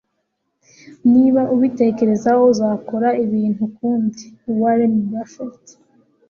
Niba ubitekerezaho, uzakora ibintu ukundi. ” —Warren Buffett